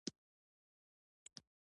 علاقه ورسره اخیسته.